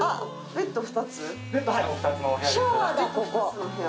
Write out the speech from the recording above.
ベッド２つの部屋。